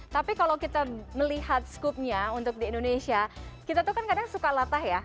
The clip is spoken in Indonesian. tapi kalau kita melihat skupnya untuk di indonesia kita tuh kan kadang suka latah ya